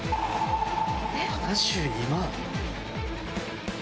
７２万。